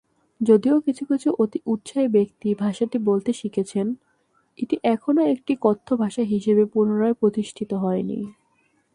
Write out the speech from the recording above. যদিও কিছু কিছু অতি-উৎসাহী ব্যক্তি ভাষাটি বলতে শিখেছেন, এটি এখনও একটি কথ্য ভাষা হিসেবে পুনরায় প্রতিষ্ঠিত হয়নি।